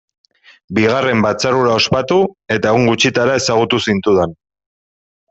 Bigarren batzar hura ospatu, eta egun gutxitara ezagutu zintudan.